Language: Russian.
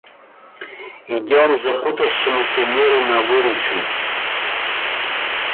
Идем запутавшемуся миру на выручу!